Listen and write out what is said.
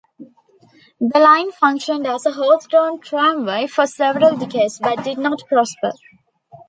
The line functioned as a horse-drawn tramway for several decades, but did not prosper.